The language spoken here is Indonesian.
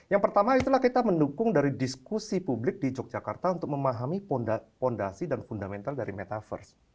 yang pertama itulah kita mendukung dari diskusi publik di yogyakarta untuk memahami fondasi dan fundamental dari metaverse